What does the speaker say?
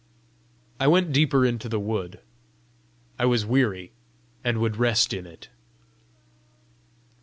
I went deeper into the wood: I was weary, and would rest in it.